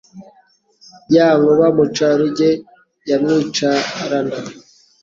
Ya Nkuba Muca-ruge ya Mwicarana.